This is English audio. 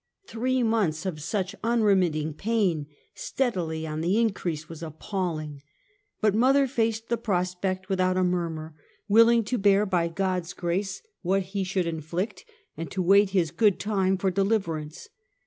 Three months of such unremitting pain, steadily on the in crease, was appalling; but mother faced the prospect without a murmur, willing to bear by God's grace what He should inflict, and to wait His good time for de liverance.